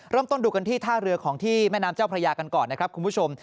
เริ่มต้นดูกันที่ท่าเรือของที่แม่น้ำเจ้าพระยากันก่อนนะครับคุณผู้ชม